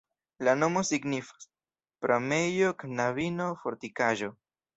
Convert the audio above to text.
La nomo signifas: pramejo-knabino-fortikaĵo.